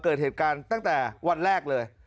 เกิดเหตุการณ์ตั้งแต่วันแรกเลย